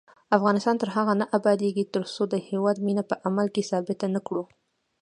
افغانستان تر هغو نه ابادیږي، ترڅو د هیواد مینه په عمل کې ثابته نکړو.